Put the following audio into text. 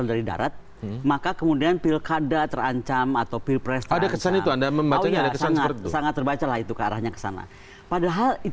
kalau gak gini jahat gimana jadi